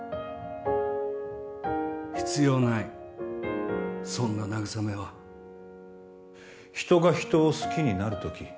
必要ないそんな慰めは人が人を好きになる時